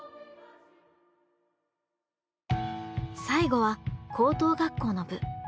最後は高等学校の部。